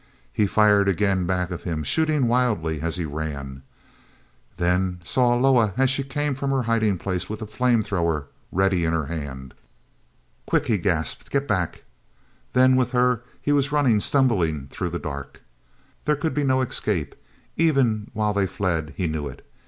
He fired again back of him, shooting wildly as he ran, then saw Loah as she came from her hiding place with the flame thrower ready in her hand. "Quick!" he gasped. "Get back!" Then, with her, he was running stumblingly through the dark. here could be no escape; even while they fled he knew it.